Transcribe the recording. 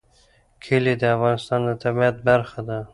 کلي د افغانستان د طبیعت برخه ده.